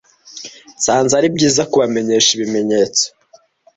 Nsanze ari byiza kubamenyesha ibimenyetso